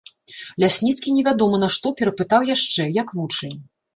Лясніцкі невядома нашто перапытаў яшчэ, як вучань.